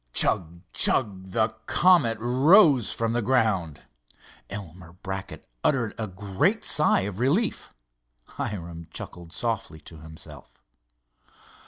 Chug! chug! The Comet rose from the ground. Elmer Brackett uttered a great sigh of relief. Hiram chuckled softly to himself.